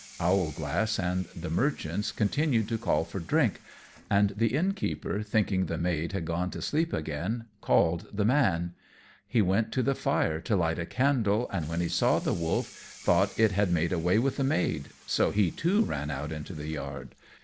Owlglass and the merchants continued to call for drink, and the Innkeeper, thinking the maid had gone to sleep again, called the man. He went to the fire to light a candle, and when he saw the wolf, thought it had made away with the maid, so he too ran out into the yard.